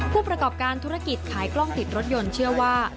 ผู้ประกอบการธุรกิจขายกล้องติดรถยนต์เชื่อว่า